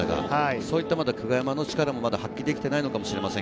そういった久我山の力も発揮できてないのかもしれません。